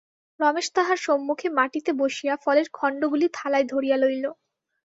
রমেশ তাহার সম্মুখে মাটিতে বসিয়া ফলের খণ্ডগুলি থালায় ধরিয়া লইল।